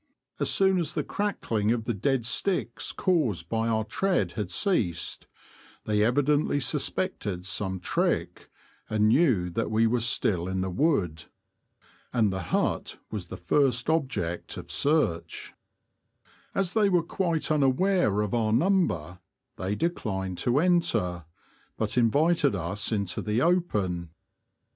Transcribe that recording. As soon as the crackling of the dead sticks caused by our tread had ceased, they evidently suspected some trick, and knew that we were still in the wood. And the hut was the first object of The Confessions of a Poacher. 159 search. As they were quite unaware of our number they declined to enter, but invited us into the open.